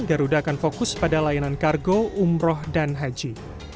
garuda akan fokus pada layanan kargo umroh dan haji